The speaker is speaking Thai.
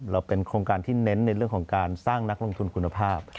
เราเป็นโครงการที่เน้นในเรื่องของการสร้างนักลงทุนคุณภาพ